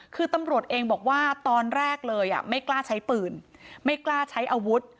คือตำรวจเองบอกว่าตอนแรกเลยไม่กล้าใช้ปืนไม่กล้าใช้อาวุธ